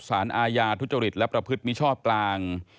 สารอาญาทุจริตและประพฤติมิชชอบกลาง